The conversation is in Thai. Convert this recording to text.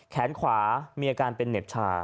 แขนขวามีอาการเป็นเหน็บชา